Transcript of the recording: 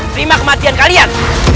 terima kematian kalian